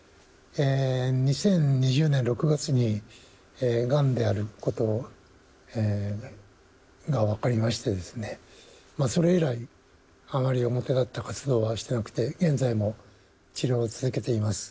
２０２０年６月に、がんであることが分かりましてですね、それ以来、あまり表立った活動はしてなくて、現在も治療を続けています。